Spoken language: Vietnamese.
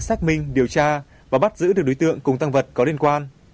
xác minh điều tra và bắt giữ được đối tượng cùng tăng vật có liên quan